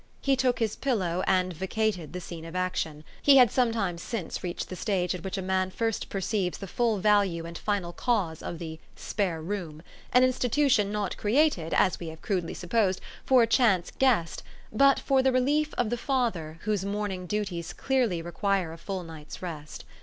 He took his pillow, and vacated the scene of action. He had some time since reached the stage at which a man first perceives the full value and final cause of the "spare room," an institution not created, as we have crudely supposed, for a chance guest, but for the relief of the father whose morn ing duties clearly require a full night's rest.